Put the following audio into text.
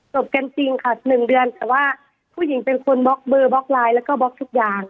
บกันจริงค่ะ๑เดือนแต่ว่าผู้หญิงเป็นคนบล็อกเบอร์บล็อกไลน์แล้วก็บล็อกทุกอย่าง